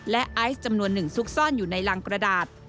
และไอซ์จำนวนหนึ่งซุกซ่อนอยู่ในรังกระดาษ